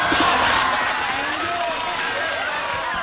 すげえ！